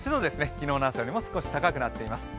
昨日の朝よりも少し高くなっています。